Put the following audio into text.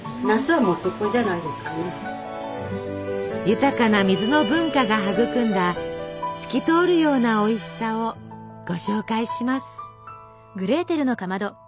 豊かな水の文化が育んだ透き通るようなおいしさをご紹介します。